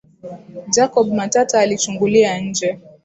Jacob Matata alichungulia nje